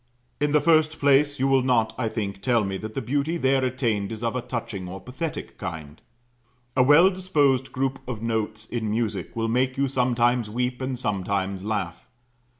In the first place you will not, I think, tell me that the beauty there attained is of a touching or pathetic kind. A well disposed group of notes in music will make you sometimes weep and sometimes laugh.